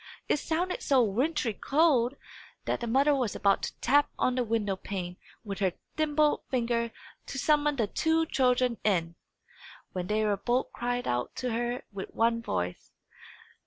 It sounded so wintry cold, that the mother was about to tap on the window pane with her thimbled finger, to summon the two children in, when they both cried out to her with one voice.